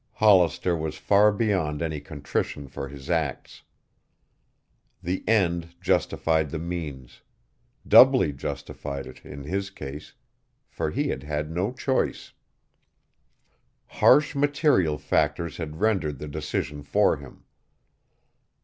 Hollister was far beyond any contrition for his acts. The end justified the means, doubly justified it in his case, for he had had no choice. Harsh material factors had rendered the decision for him.